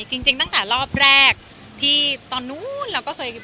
โรงเรียนอ๋อที่โรงเรียนโอเค